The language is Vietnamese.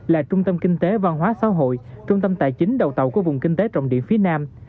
là trung tâm kinh tế văn hóa xã hội trung tâm tài chính đầu tàu của vùng kinh tế trọng điểm phía nam